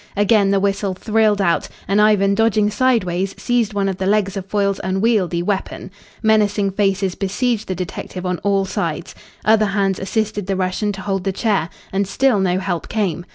Again the whistle thrilled out, and Ivan dodging sideways seized one of the legs of Foyle's unwieldy weapon. Menacing faces besieged the detective on all sides. Other hands assisted the Russian to hold the chair. And still no help came.